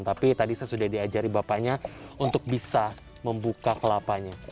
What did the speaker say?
tapi tadi saya sudah diajari bapaknya untuk bisa membuka kelapanya